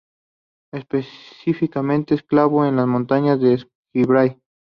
Específicamente enclavado en las montañas del Escambray.